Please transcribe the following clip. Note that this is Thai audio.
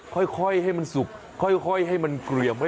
ค่อยให้มันสุกค่อยให้มันเกลี่ยมให้